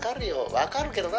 わかるけどな。